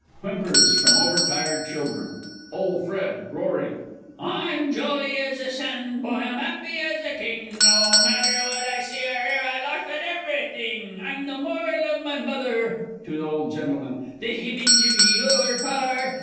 [Whimpers from over tired children. OLE FRED (roaring). "I'm jolly as a Sandboy, I'm 'appy as a king! No matter what I see or 'ear, I larf at heverything! I'm the morril of my moth ar, (to O. G.) the himage of your Par!